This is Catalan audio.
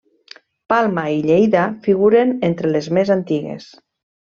Palma i Lleida figuren entre les més antigues.